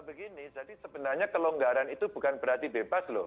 begini jadi sebenarnya kelonggaran itu bukan berarti bebas loh